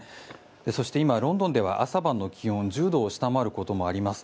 そして、今、ロンドンでは朝晩の気温が１０度を下回ることもあります。